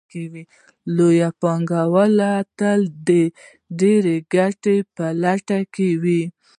لوی پانګوال تل د ډېرې ګټې په لټه کې وي